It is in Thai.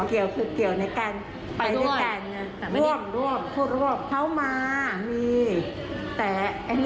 คือเกี่ยวในการไปด้วยกันกันล่อรบเขามามีแต่